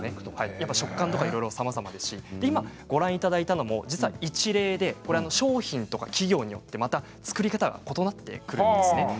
やっぱり食感とかさまざまですし今ご覧いただいたのも実は一例で商品とか企業によってまた作り方は異なってくるんですね。